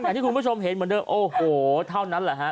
อย่างที่คุณผู้ชมเห็นเหมือนเดิมโอ้โหเท่านั้นแหละฮะ